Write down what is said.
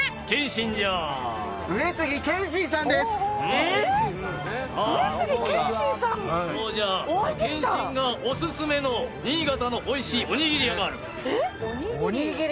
謙信がオススメの新潟のおいしいおにぎりがある。